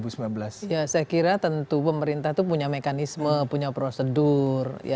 saya kira tentu pemerintah itu punya mekanisme punya prosedur